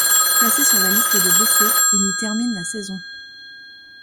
Placé sur la liste des blessés, il y termine la saison.